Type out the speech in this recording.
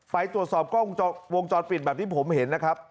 ไปตรวจสอบกล้องวงจรปิดแบบที่ผมเห็นนะครับ